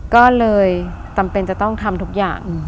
ก็เลยจำเป็นจะต้องทำทุกอย่าง